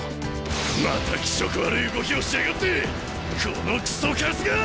また気色悪い動きをしやがってこのクソカスがあ！